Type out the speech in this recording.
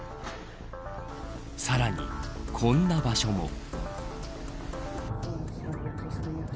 さらに、こんな場所も。